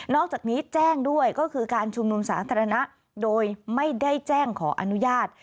อกจากนี้แจ้งด้วยก็คือการชุมนุมสาธารณะโดยไม่ได้แจ้งขออนุญาต